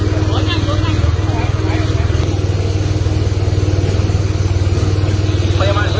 สวัสดีครับ